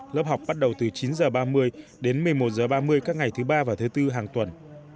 lớp học bắt đầu từ chín h ba mươi đến một mươi một h ba mươi các ngày thứ ba và thứ tư hàng tuần